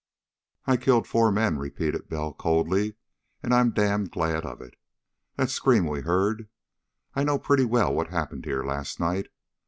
"I killed four men," repeated Bell coldly. "And I'm damned glad of it. That scream we heard.... I know pretty well what happened here last night.